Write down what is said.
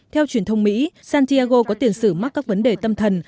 theo truyền thông mỹ santiago có tiền sử mắc các vấn đề tâm thần